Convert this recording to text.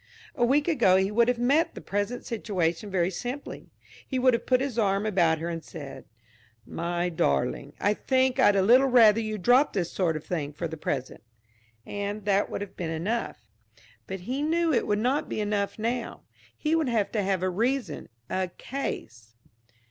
A week ago he would have met the present situation very simply. He would have put his arm about her and said: "My darling, I think I'd a little rather you dropped this sort of thing for the present." And that would have been enough. But he knew it would not be enough now. He would have to have a reason, a case.